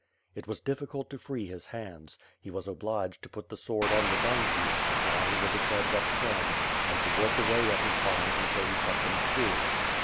It was difficult to free his hands. He was obliged to put the sword on the dung heap, lying with its edge upturned, and to work away at his bonds until he cut them through.